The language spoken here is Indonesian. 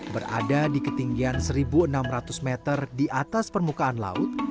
berada di ketinggian seribu enam ratus meter di atas permukaan laut